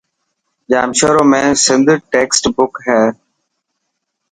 ڄامشوري ۾ سنڌ ٽيڪسٽ بڪ هي.